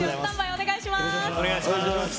お願いします。